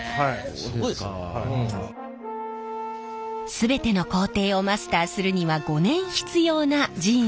全ての工程をマスターするには５年必要なジーンズの縫製。